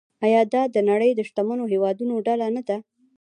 آیا دا د نړۍ د شتمنو هیوادونو ډله نه ده؟